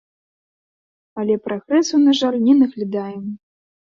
Але прагрэсу, на жаль, не наглядаем.